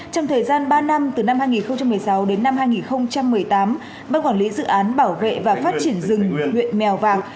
trong thời gian ba năm từ năm hai nghìn một mươi sáu đến năm hai nghìn một mươi tám ban quản lý dự án bảo vệ và phát triển rừng huyện mèo vàng